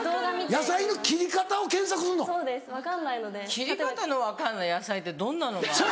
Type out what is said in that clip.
切り方の分かんない野菜ってどんなのがあるの？